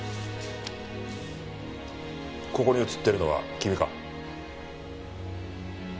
ここに映ってるのは君か？